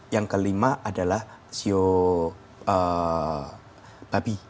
yang kelima adalah sio babi